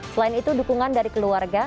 selain itu dukungan dari keluarga